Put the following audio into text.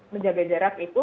menjaga jarak itu